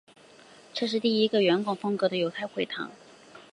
这是第一个圆拱风格的犹太会堂。